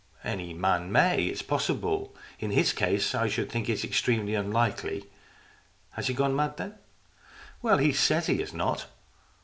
"Any man may. It's possible. In his case I should think it is extremely unlikely. Has he gone mad then ?" "Well, he says he has not.